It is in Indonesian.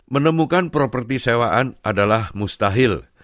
menemukan properti sewaan adalah mustahil